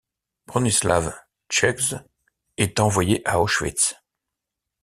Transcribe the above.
Bronisław Czech est envoyé à Auschwitz.